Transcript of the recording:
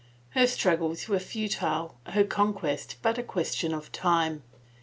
Her struggles were futile, her conquest but a question of time.